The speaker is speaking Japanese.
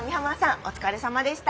お疲れさまでした。